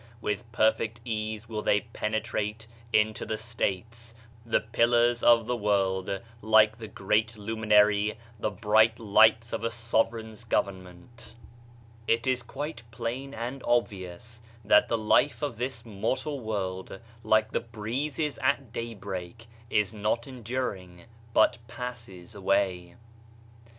With perfect ease will they penetrate into the states, the pillars of the world, like the great luminary, the bright lights of a sovereign's govern ment It is quite plain and obvious, that the life of this mortal world, like the breezes at daybreak, is not enduring but passes away.